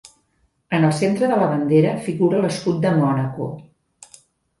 En el centre de la bandera figura l'escut de Mònaco.